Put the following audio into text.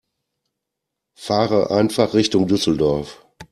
Fahre einfach Richtung Düsseldorf